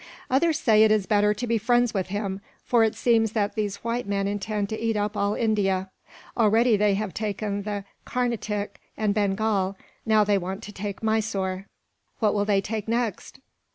Others say it is better to be friends with him, for it seems that these white men intend to eat up all India. Already they have taken the Carnatic and Bengal, now they want to take Mysore. What will they take next?